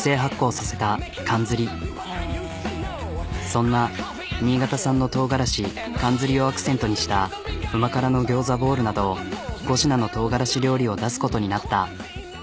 そんな新潟産のとうがらしかんずりをアクセントにしたうま辛のギョーザボールなど５品のとうがらし料理を出すことになった。